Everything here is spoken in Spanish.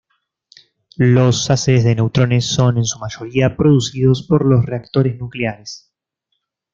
Los haces de neutrones son en su mayoría producidos por los reactores nucleares.